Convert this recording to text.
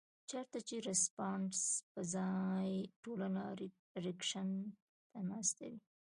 چرته چې د رسپانس پۀ ځائے ټولنه رېکشن ته ناسته وي